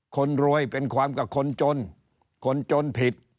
คนรวยเป็นความกับคนจนคนจนผิด